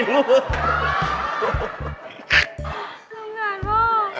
ร้อนหน่อยค่ะ